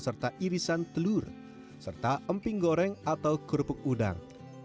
serta irisan telur serta emping goreng atau kerupuk udang